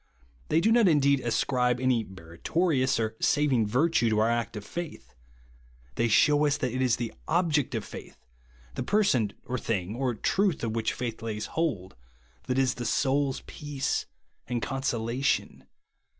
They do not indeed ascribe any meritori ous or saving virtue to our act of faith. They shew us that it is the object of faith, — the joerson, or thing, or truth of which faith lays hold, — that is the soul's peace and consolation.